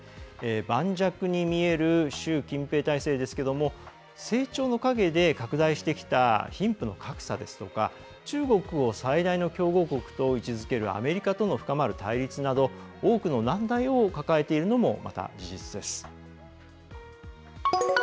盤石に見える習近平体制ですけども成長の影で拡大してきた貧富の格差ですとか中国を最大の競合国と位置づけるアメリカとの深まる対立など多くの難題を抱えているのもまた事実です。